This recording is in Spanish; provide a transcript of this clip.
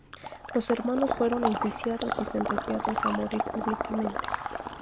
Los hermanos fueron enjuiciados y sentenciados a morir públicamente.